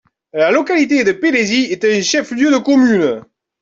La localité de Pélézi est un chef-lieu de commune.